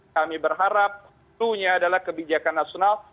kami berharap seluruhnya adalah kebijakan nasional